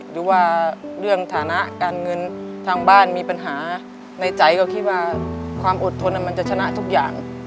หรือว่าเรื่องฐานะการเงินทางบ้านมีปัญหาในใจก็คิดว่าความอดทนมันจะชนะทุกอย่าง